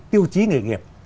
tiêu chí nghề nghiệp